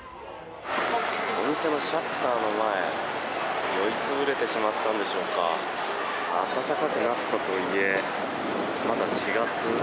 お店のシャッターの前酔い潰れてしまったのでしょうか暖かくなったとはいえまだ４月。